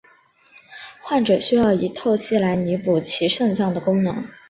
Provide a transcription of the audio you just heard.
患者需要以透析来弥补其肾脏的功能。